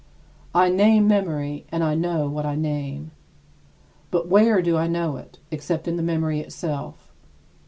I name memory and I know what I name. But where do I know it, except in the memory itself?